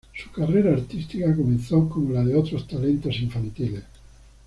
Su carrera artística comenzó como la de otros talentos infantiles.